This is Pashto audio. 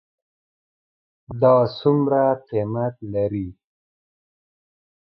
دا څومره قیمت لري ?